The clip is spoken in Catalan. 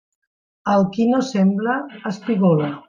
El qui no sembra, espigola.